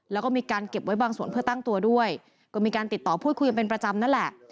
แล้วก็มีการเก็บไว้บางส่วนเพื่อตั้งตัวด้วยก็มีการติดต่อพูดคุยกันเป็นประจำนั่นแหละ